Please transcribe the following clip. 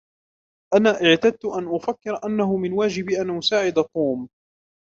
أنا اعتدت أن أفكر أنه من واجبي أن أساعد توم.